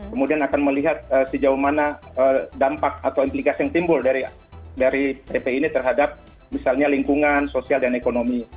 kemudian akan melihat sejauh mana dampak atau implikasi yang timbul dari pp ini terhadap misalnya lingkungan sosial dan ekonomi